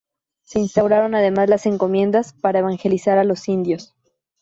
Se instauraron además las encomiendas para evangelizar a los indios.